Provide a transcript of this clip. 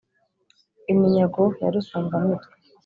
iminyago ya rusumbamitwe